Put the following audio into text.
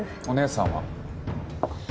お姉さんは？